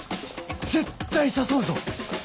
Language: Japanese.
絶対誘うぞ！